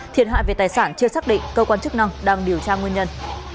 thiệt hại về tài sản chưa xác định cơ quan chức năng đang điều tra nguyên nhân